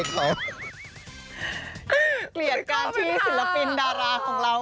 เกลียดการที่ศิลปินดาราของเรา